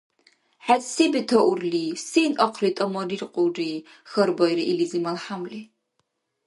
– ХӀед се бетаурли, сен ахъли тӀамалириркьулри? – хьарбаира илизи малхӀямли.